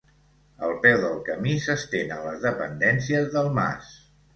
Al peu del camí s'estenen les dependències del mas.